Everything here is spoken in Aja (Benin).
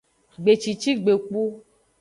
Gbecici gbegbu.